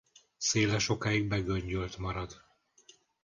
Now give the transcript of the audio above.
Széle sokáig begöngyölt marad.